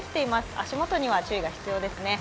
足元には注意が必要ですね。